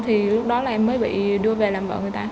thì lúc đó là em mới bị đưa về làm vợ người ta